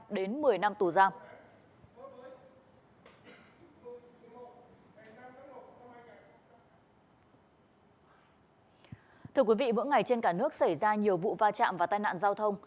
đến một mươi năm tù giam thử quý vị mỗi ngày trên cả nước xảy ra nhiều vụ va chạm và tai nạn giao thông